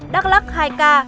đắk lắc hai ca